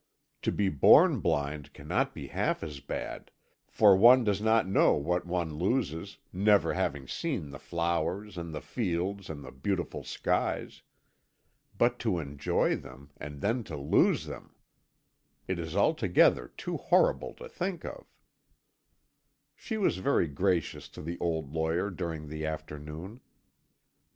To be born blind cannot be half as bad, for one does not know what one loses never having seen the flowers, and the fields, and the beautiful skies. But to enjoy them, and then to lose them! It is altogether too horrible to think of." She was very gracious to the old lawyer during the afternoon.